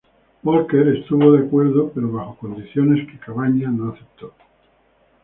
Walker estuvo de acuerdo, pero bajo condiciones que Cabañas no aceptó.